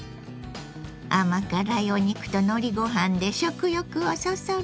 甘辛いお肉とのりご飯で食欲をそそるわ。